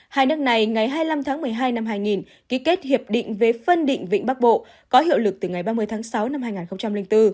hai nước này ngày hai mươi năm tháng một mươi hai năm hai nghìn ký kết hiệp định về phân định vịnh bắc bộ có hiệu lực từ ngày ba mươi tháng sáu năm hai nghìn bốn